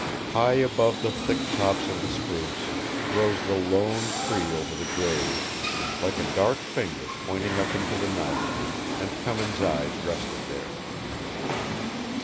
High above the thick tops of the spruce rose the lone tree over the grave, like a dark finger pointing up into the night, and Cummins' eyes rested there.